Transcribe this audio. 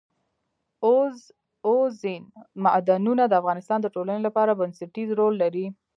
اوبزین معدنونه د افغانستان د ټولنې لپاره بنسټيز رول لري.